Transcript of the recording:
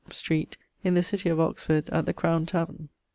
street in the city of Oxford at the Crowne taverne.